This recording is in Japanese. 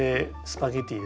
スパゲッティ！